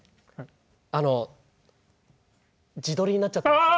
あの自撮りになっちゃってます。